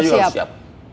manusia juga harus siap